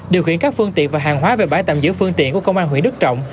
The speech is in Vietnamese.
điều khiển các phương tiện và hàng hóa về bãi tạm giữ phương tiện của công an huyện đức trọng